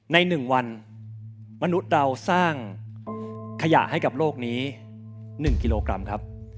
ใน๑วันมนุษย์เราสร้างขยะให้กับโลกนี้๑กิโลกรัมครับ